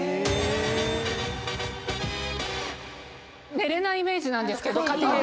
寝れないイメージなんですけど。